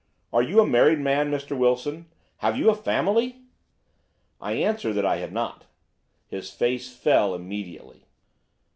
Are you a married man, Mr. Wilson? Have you a family?' "I answered that I had not. "His face fell immediately.